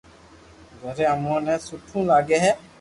گھر اموني ني سٺو لاگي ھي